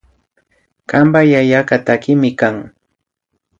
Kanpak yayaka takikmi kan